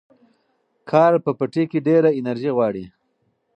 کار په پټي کې ډېره انرژي غواړي.